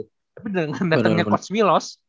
tapi dengan datangnya coach wilos